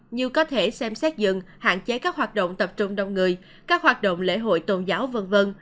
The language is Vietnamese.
như có thể xem xét dừng hạn chế các hoạt động tập trung đông người các hoạt động lễ hội tôn giáo v v